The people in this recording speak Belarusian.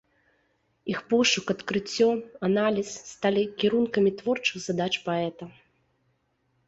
Іх пошук, адкрыццё, аналіз сталі кірункамі творчых задач паэта.